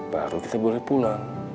baru kita boleh pulang